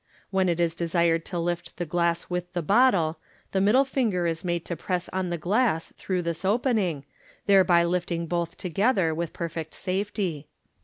When it is desired to lift the glass with the bottle, the middle finger is made to press on the glass through this opening, thereby lifting both together with perfect safety.